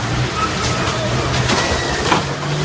คุณผู้ที่สามารถเตรียมการต่อเวลาไปก่อนเลย